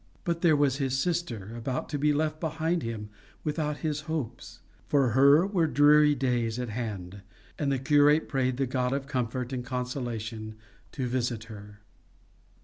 But there was his sister, about to be left behind him without his hopes; for her were dreary days at hand; and the curate prayed the God of comfort and consolation to visit her.